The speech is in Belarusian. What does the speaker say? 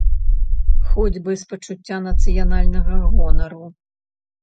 Хоць бы з пачуцця нацыянальнага гонару.